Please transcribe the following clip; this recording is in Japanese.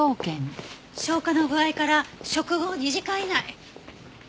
消化の具合から食後２時間以内。